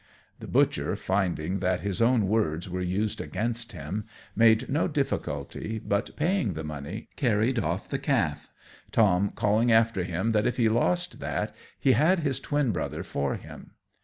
The butcher, finding that his own words were used against him, made no difficulty, but, paying the money, carried off the calf, Tom calling after him that if he lost that he had his twin brother for him.